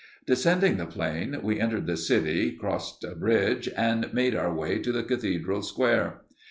Descending the plain, we entered the city, crossed a bridge, and made our way to the cathedral square.